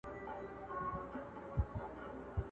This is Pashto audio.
مروتو نازوليو شاعرانو انتخاب بيتونه